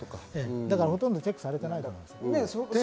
だから、ほとんどチェックされていないと思います。